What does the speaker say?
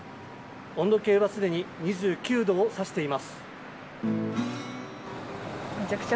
温度計はすでに２９度を指しています。